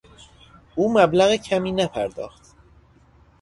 او مبلغ کمی نپرداخت!